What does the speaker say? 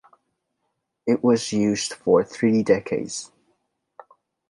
It was used for three decades.